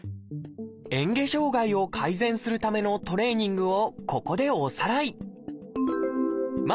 えん下障害を改善するためのトレーニングをここでおさらい。